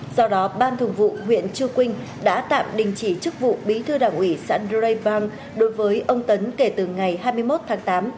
do đó ban thường vụ huyện chư quynh đã tạm đình chỉ chức vụ bí thư đảng ủy xã dây pang đối với ông tấn kể từ ngày hai mươi một tháng tám